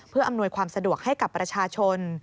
เพื่ออำนวยความสะดวกให้กับประชาชน